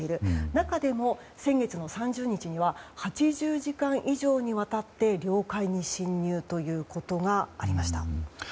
中でも先月の３０日には８０時間以上にわたって領海に侵入ということがありました。